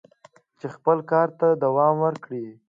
چې خپل کار ته دوام ورکړي."